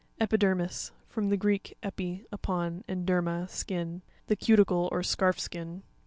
Epipe'rmis,—From the Greek, epi, upon, and derma, skin. The cu ticle or searf skin.